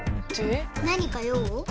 何か用？